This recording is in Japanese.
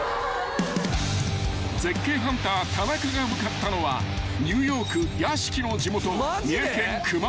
［絶景ハンター田中が向かったのはニューヨーク屋敷の地元］